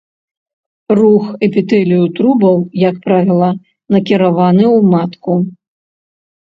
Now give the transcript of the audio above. Рух эпітэлію трубаў, як правіла, накіраваны ў матку.